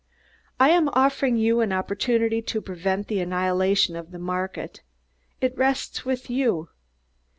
I am offering you an opportunity to prevent the annihilation of the market. It rests with you.